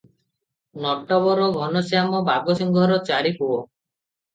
ନଟବର ଘନଶ୍ୟାମ ବାଘସିଂହଙ୍କର ଚାରି ପୁଅ ।